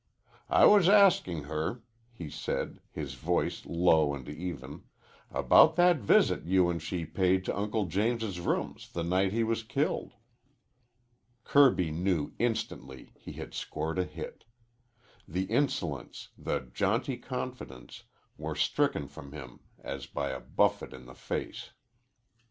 "I was asking her," he said, his voice low and even, "about that visit you and she paid to Uncle James's rooms the night he was killed." Kirby knew instantly he had scored a hit. The insolence, the jaunty confidence, were stricken from him as by a buffet in the face.